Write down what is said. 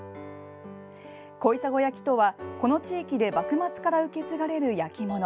小砂焼とは、この地域で幕末から受け継がれる焼き物。